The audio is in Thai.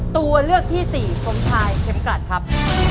ตัวเลือกที่สี่สมชายเข็มกลัดครับ